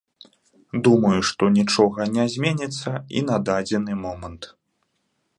Думаю, што нічога не зменіцца і на дадзены момант.